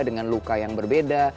dengan luka yang berbeda